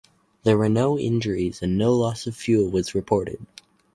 There were no injuries and no loss of fuel was reported.